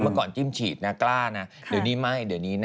เมื่อก่อนจิ้มฉีดนะกล้านะเดี๋ยวนี้ไม่เดี๋ยวนี้นะ